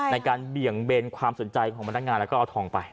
เบี่ยงเบนความสนใจของพนักงานแล้วก็เอาทองไป